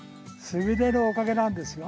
すみれのおかげなんですよ。